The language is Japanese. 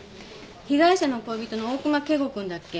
被害者の恋人の大熊敬吾君だっけ。